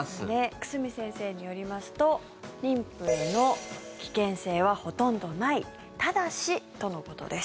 久住先生によりますと妊婦への危険性はほとんどないただしとのことです。